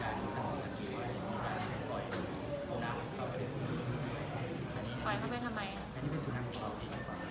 ห๊ะไห้ไม่รู้เรื่องนะคะไม่เคี่ยวจะปล่อยไปทำไม